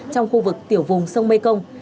trong khu vực tiểu vùng sông mekong